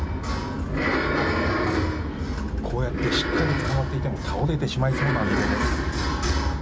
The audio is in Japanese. こうやってしっかりつかまっていても倒れてしまいそうです。